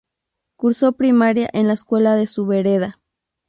Cursó primaria en la escuela de su vereda.